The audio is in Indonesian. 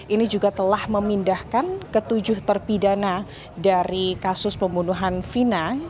ini juga telah memindahkan ketujuh terpidana dari kasus pembunuhan vina